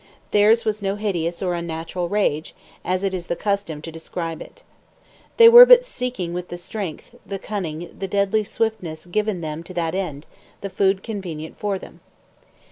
Theirs was no hideous or unnatural rage, as it is the custom to describe it. They were but seeking with the strength, the cunning, the deadly swiftness given them to that end, the food convenient for them.